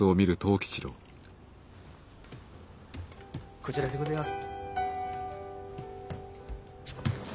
こちらでごぜます。